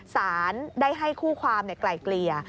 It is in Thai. สารได้ให้คู่ความไกลเกลี่ย